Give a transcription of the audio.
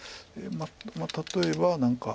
まあ例えば何か。